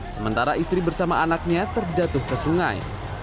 sementara istri bersama anaknya terjatuh ke sungai